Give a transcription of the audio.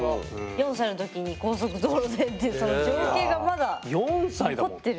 ４歳の時に高速道路でっていうその情景がまだ残ってる。